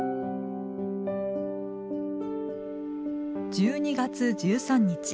１２月１３日。